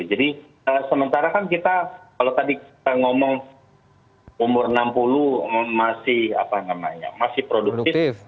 jadi sementara kan kita kalau tadi kita ngomong umur enam puluh masih produktif